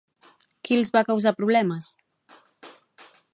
Qui els va causar problemes?